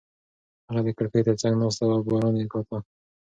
هغه د کړکۍ تر څنګ ناسته وه او باران یې کاته.